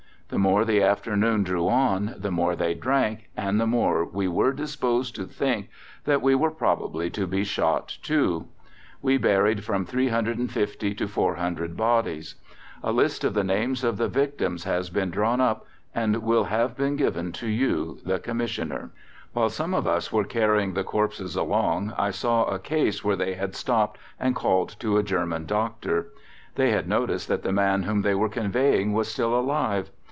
The more the afternoon drew on the more they drank, and the more we were disposed to think that we were probably to be shot too. We buried from 350 to 400 bodies. A list of the names of the victims has been drawn up and will have been given to you (the Commissioner). "While some of us were carrying the corpses along I saw a case where they had stopped and called to a German doctor. They had noticed that the man whom they were conveying was still alive.